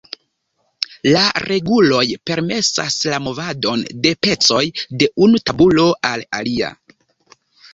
La reguloj permesas la movadon de pecoj de unu tabulo al alia.